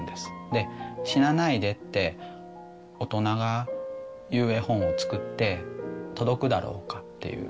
で死なないでって大人が言う絵本を作って届くだろうかっていう。